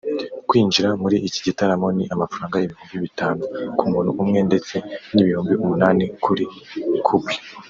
Kwinjira muri iki gitaramo ni amafaranga ibihumbi bitanu ku muntu umwe ndetse n’ibihumbi umunani kuri couple